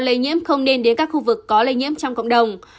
lây nhiễm không nên đến các khu vực có lây nhiễm trong cộng đồng